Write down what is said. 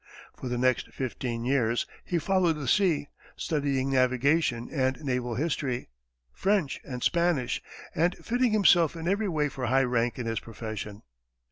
For the next fifteen years, he followed the sea, studying navigation and naval history, French and Spanish, and fitting himself in every way for high rank in his profession.